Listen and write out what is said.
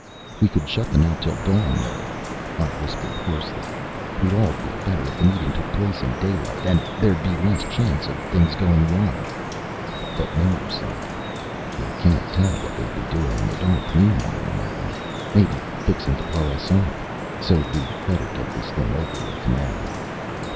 "We could shut them out till dawn, Miller," I whispered hoarsely. "We'd all feel better if the meeting took place in day light. And there'd be less chance of things going wrong." But Miller said, "We can't tell what they'd be doing in the dark meanwhile, Nolan. Maybe fixing to blow us up. So we'd better get this thing over with now."